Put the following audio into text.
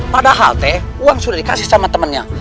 padahal teh uang sudah dikasih sama temennya